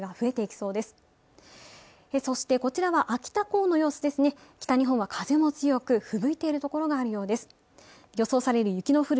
そして、こちらは秋田港の様子です北日本は風も強く、ふぶいているところがあるようです。